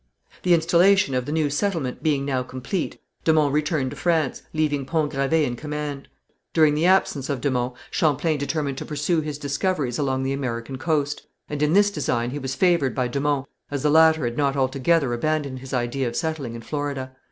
The installation of the new settlement being now complete, de Monts returned to France, leaving Pont Gravé in command. During the absence of de Monts, Champlain determined to pursue his discoveries along the American coast, and in this design he was favoured by de Monts, as the latter had not altogether abandoned his idea of settling in Florida.